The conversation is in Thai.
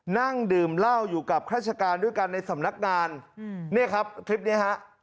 นั่งดื่มเหล้าอยู่กับราชการด้วยกันในสำนักงานเนี่ยครับคลิปนี้ฮะ